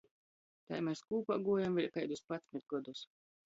Tai mes kūpā guojem vēļ kaidus padsmit godus.